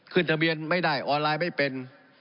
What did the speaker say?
ทะเบียนไม่ได้ออนไลน์ไม่เป็น